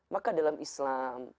maka dalam islam